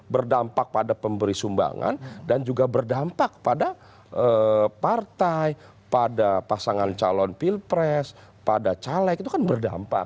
berdampak pada pemberi sumbangan dan juga berdampak pada partai pada pasangan calon pilpres pada caleg itu kan berdampak